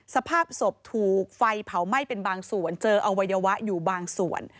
สภาพศพถูกไฟเผาไหม้เป็นบางส่วนเจออวัยวะอยู่บางส่วน